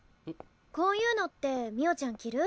こういうのって美桜ちゃん着る？